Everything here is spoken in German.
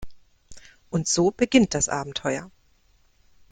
Und so beginnt das Abenteuer.